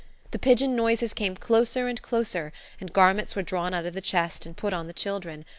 The pigeon noises came closer and closer, and garments were drawn out of the chest and put on the children.